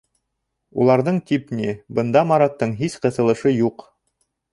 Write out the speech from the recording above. Уларҙың тип ни, бында Мараттың һис ҡыҫылышы юҡ.